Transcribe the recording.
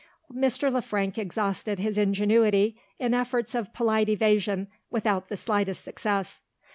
Mr. Le Frank exhausted his ingenuity in efforts of polite evasion without the slightest success.